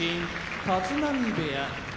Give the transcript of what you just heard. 立浪部屋